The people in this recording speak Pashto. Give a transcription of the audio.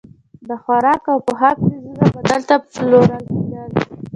د خوراک او پوښاک څیزونه به دلته پلورل کېدل.